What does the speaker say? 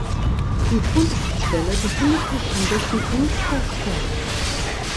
Die Fundstelle befindet sich an dessen engster Stelle.